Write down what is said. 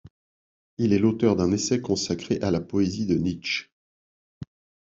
Il est l'auteur d’un essai consacré à la poésie de Nietzsche.